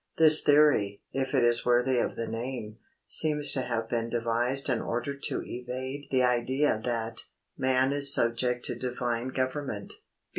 This theory, if it is worthy of the name, seems to have been devised in order to evade the idea that man is subject to Divine government.